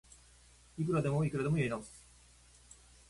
いくらでもいくらでもやり直す